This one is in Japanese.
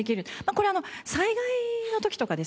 これは災害の時とかですね